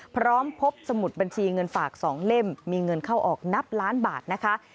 พร้อมพบสมุดบัญชีเงินฝาก๒เล่มมีเงินเข้าออกนับล้านบาทนะคะ